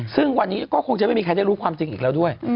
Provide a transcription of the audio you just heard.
ซึ่งวันนี้ก็คงจะไม่มีใครได้รู้ความจริงอีกแล้วด้วย